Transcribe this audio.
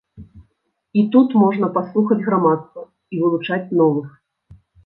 І тут можна паслухаць грамадства і вылучаць новых.